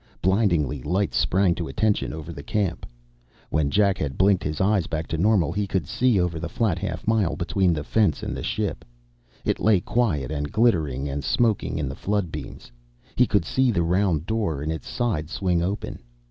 Blindingly, lights sprang to attention over the camp. When Jack had blinked his eyes back to normal, he could see over the flat half mile between the fence and the ship. It lay quiet and glittering and smoking in the flood beams. He could see the round door in its side swing open.